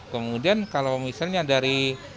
kemudian kalau misalnya dari